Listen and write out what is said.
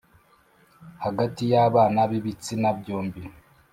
hagati y’abana b’ibitsina byombi.